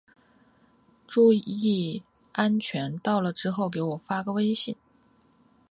记得注意安全，到了之后给我发个微信。